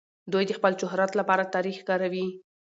دوی د خپل شهرت لپاره تاريخ کاروي.